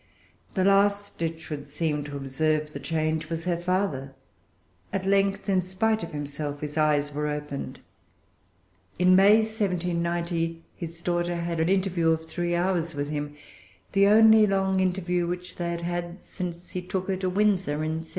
The last, it should seem, to observe the change was her father. At length, in spite of himself, his eyes were opened. In May, 1790, his daughter had an interview of three hours with him, the only long interview which they had had since he took her to Windsor in 1786.